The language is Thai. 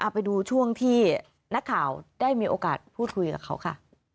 ไปดูช่วงที่นักข่าวได้มีโอกาสพูดคุยกับเขาค่ะ